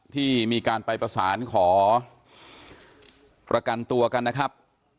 ที่มีการไปประสานขอประกันตัวกันนะครับ